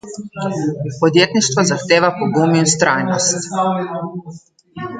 Podjetništvo zahteva pogum in vztrajnost.